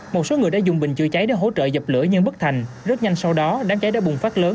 một số người đã dùng bình chữa cháy để hỗ trợ dập lửa nhưng bất thành rất nhanh sau đó đám cháy đã bùng phát lớn